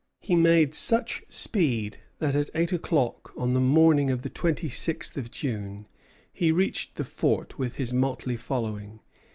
He made such speed that at eight o'clock on the morning of the twenty sixth of June he reached the fort with his motley following.